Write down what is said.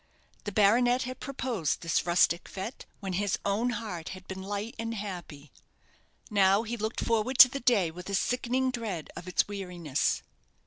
The baronet had proposed this rustic fête when his own heart had been light and happy; now he looked forward to the day with a sickening dread of its weariness.